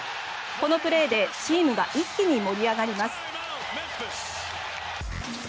このプレーでチームが一気に盛り上がります。